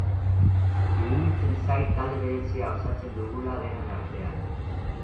Iruditzen zait talde berezia osatzen dugula denon artean.